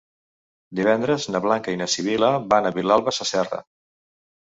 Divendres na Blanca i na Sibil·la van a Vilalba Sasserra.